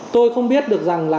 tôi không biết được rằng là